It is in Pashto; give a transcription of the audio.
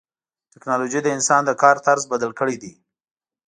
ټکنالوجي د انسان د کار طرز بدل کړی دی.